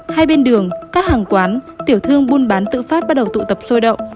hai bên đường các hàng quán tiểu thương buôn bán tự phát bắt đầu tụ tập sôi động